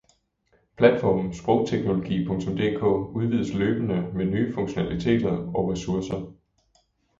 Platformen sprogteknologi.dk udvides løbende med nye funktionaliteter og ressourcer.